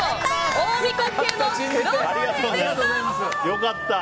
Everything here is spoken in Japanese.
良かった。